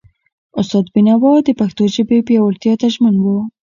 استاد بینوا د پښتو ژبې پیاوړتیا ته ژمن و.